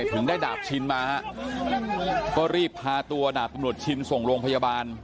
ถึงได้ดาบชินมาฮะก็รีบพาตัวดาบตำรวจชินส่งโรงพยาบาล